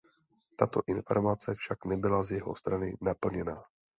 Tato informace však nebyla z jeho strany naplněna.